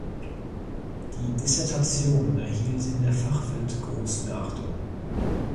Die Dissertation erhielt in der Fachwelt große Beachtung.